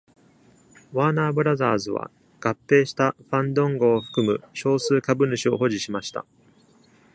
ワーナーブラザーズは、合併したファンドンゴを含む少数株主を保持しました。